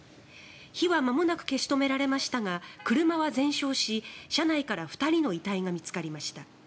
火はまもなく消し止められましたが車は全焼し、車内から２人の遺体が見つかりました。